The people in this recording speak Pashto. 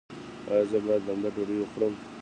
ایا زه باید لمده ډوډۍ وخورم؟